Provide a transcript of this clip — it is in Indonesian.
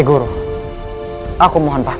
hidup raden walang susah